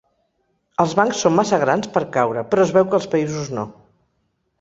Els bancs són massa grans per caure, però es veu que els països no.